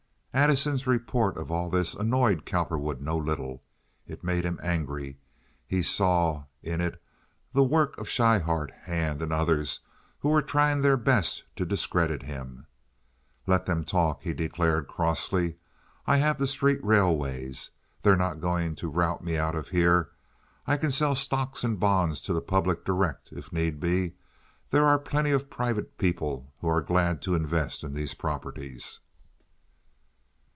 Addison's report of all this annoyed Cowperwood no little. It made him angry. He saw in it the work of Schryhart, Hand, and others who were trying their best to discredit him. "Let them talk," he declared, crossly. "I have the street railways. They're not going to rout me out of here. I can sell stocks and bonds to the public direct if need be! There are plenty of private people who are glad to invest in these properties."